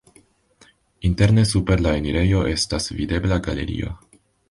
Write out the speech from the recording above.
Interne super la enirejo estas videbla galerio.